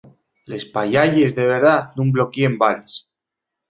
Les payelles de verdá nun bloquien bales.